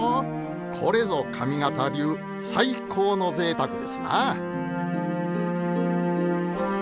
これぞ上方流最高のぜいたくですな。